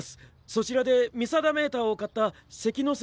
そちらで見定メーターを買った関ノ瀬